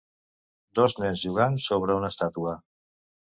Dos nens jugant sobre una estàtua